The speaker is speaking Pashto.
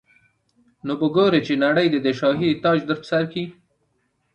نو به ګورې چي نړۍ دي د شاهي تاج در پرسر کي